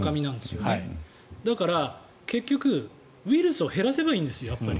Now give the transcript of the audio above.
ですから、結局ウイルスを減らせばいいんです。